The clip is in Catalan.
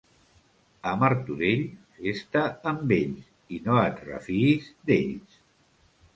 A Martorell, fes-te amb ells i no et refiïs d'ells.